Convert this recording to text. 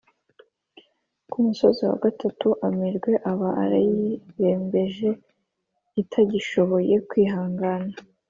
ku musozi wa gatatu, amerwe aba arayirembeje itagishoboye kwihangana;